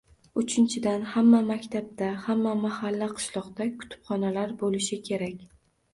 Uchinchidan: hamma maktabda, hamma mahalla-qishloqda kutubxonalar bo‘lishi kerak.